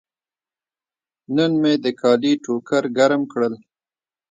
نن مې د کالي ټوکر ګرم کړل.